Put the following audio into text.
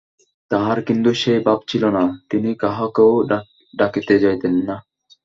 তাঁহার কিন্তু সেই ভাব ছিল না, তিনি কাহাকেও ডাকিতে যাইতেন না।